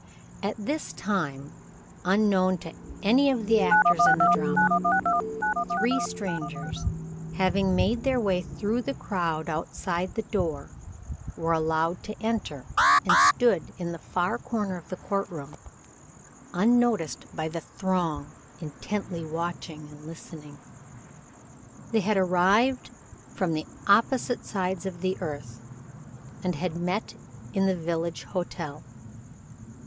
At this time, unknown to any of the actors in the drama, three strangers, having made their way through the crowd outside the door, were allowed to enter, and stood together in the far corner of the court room unnoticed by the throng, intently watching and listening. They had arrived from the opposite sides of the earth, and had met at the village hotel.